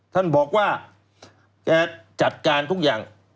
ท่านบอกว่าแกจัดการทุกอย่าง